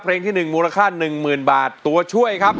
เพลงที่หนึ่งมูลค่าหนึ่งหมื่นบาทตัวช่วยครับ